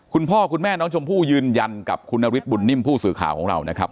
คุณพ่อคุณแม่น้องชมพู่ยืนยันกับคุณนฤทธบุญนิ่มผู้สื่อข่าวของเรานะครับ